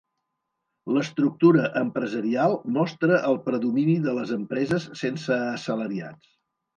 L'estructura empresarial mostra el predomini de les empreses sense assalariats.